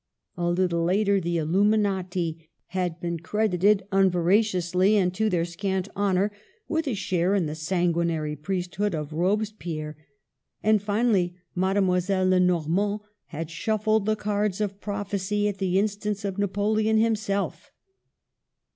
A little later the illuminati had been credited unve raciously and to their scant honor, with a share in the sanguinary priesthood of Robespierre, and finally Mademoiselle Lenormand had shuffled the cards of prophecy at the instance of Napoleon himself.